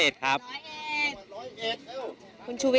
อยู่บ้านน้องตอกแป้นครับ